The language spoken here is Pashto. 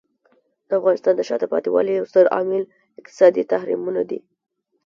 د افغانستان د شاته پاتې والي یو ستر عامل اقتصادي تحریمونه دي.